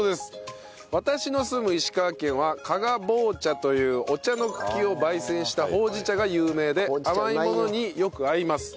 私の住む石川県は加賀棒茶というお茶の茎を焙煎したほうじ茶が有名で甘いものによく合います。